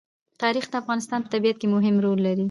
تاریخ د افغانستان په طبیعت کې مهم رول لري.